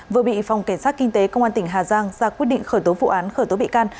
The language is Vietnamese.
vừa bị phòng cảnh sát kinh tế công an tỉnh hà giang ra quyết định khởi tố vụ án khởi tố bị can